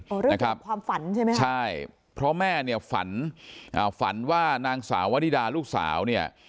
เออเรื่องคือความฝันใช่ไหมครับใช่เพราะแม่ฝันว่านางสาววรรดิดาลูกสาว